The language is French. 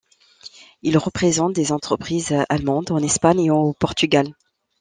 Il représente des entreprises allemandes en Espagne et au Portugal.